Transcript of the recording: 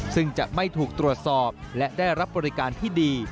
ซึ่งจะไม่ถูกตรวจสอบและได้รับบริการที่ดี